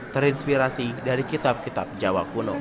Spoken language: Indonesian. terinspirasi dari kitab kitab jawa kuno